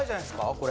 これ。